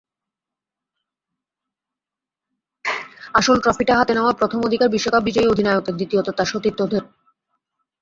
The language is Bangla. আসল ট্রফিটা হাতে নেওয়ার প্রথম অধিকার বিশ্বকাপ বিজয়ী অধিনায়কের, দ্বিতীয়ত তাঁর সতীর্থদের।